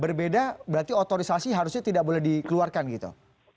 berbeda berarti otorisasi harusnya tidak boleh dikeluarkan gitu